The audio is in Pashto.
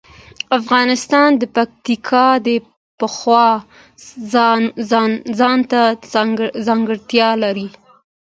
افغانستان د پکتیکا د پلوه ځانته ځانګړتیا لري.